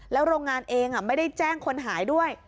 โรงงานเองไม่ได้แจ้งคนหายด้วย